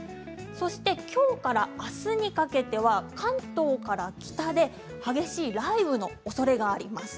そして、きょうからあすにかけては関東から北で激しい雷雨のおそれがあります。